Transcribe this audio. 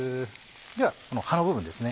では葉の部分ですね。